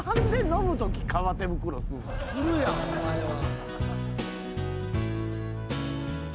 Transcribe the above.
するやんお前は。うわ！